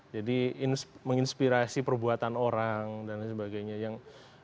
jadi menginspirasi perbuatan orang dan sebagainya yang